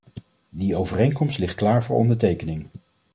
Die overeenkomst ligt klaar voor ondertekening.